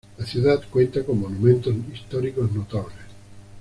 La ciudad cuenta con monumentos históricos notables.